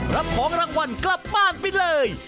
รับของรางวัลกลับบ้านไปเลย